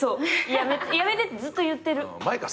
やめてってずっと言ってる。